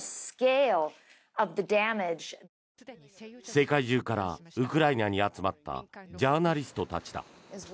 世界中からウクライナに集まったジャーナリストたちだ。